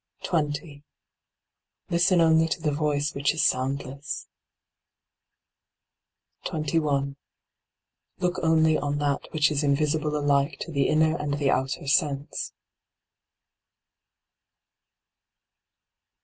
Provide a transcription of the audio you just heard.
20. Listen only to the voice which is sound less. 21. Look only on that which is invisible alike to the inner and the outer sense.